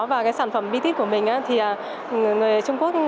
và cái sản phẩm bitit của mình thì người trung quốc